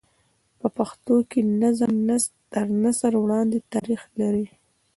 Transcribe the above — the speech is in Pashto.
په پښتو کښي نظم تر نثر وړاندي تاریخ لري.